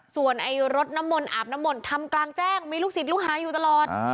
ส่วนรสนมลอาบนมลทำกลางแจ้งมีลูกสิทธิ์ลูหาอยู่ตลอด